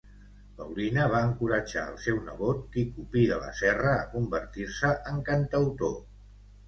Paulina va encoratjar al seu nebot Quico Pi de la Serra a convertir-se en cantautor.